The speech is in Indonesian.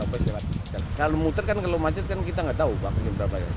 kalau muter kan kalau macet kan kita nggak tahu waktunya berapa ya